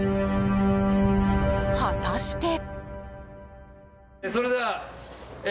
果たして。